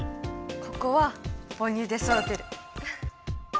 ここは「母乳で育てる」。